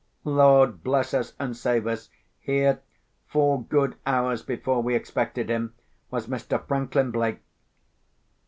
Lord bless us and save us! Here—four good hours before we expected him—was Mr. Franklin Blake!